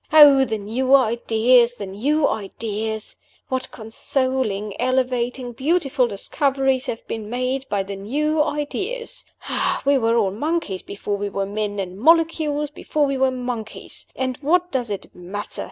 Oh, the new ideas! the new ideas! what consoling, elevating, beautiful discoveries have been made by the new ideas! We were all monkeys before we were men, and molecules before we were monkeys! and what does it matter?